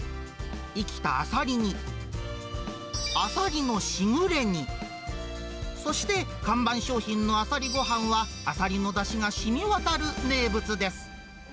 生きたあさりに、あさりのしぐれ煮、そして看板商品のあさりごはんは、あさりのだしがしみわたる名物です。